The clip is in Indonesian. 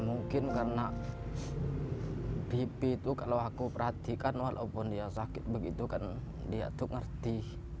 mungkin karena pipi itu kalau aku perhatikan walaupun dia sakit begitu kan dia tuh ngerti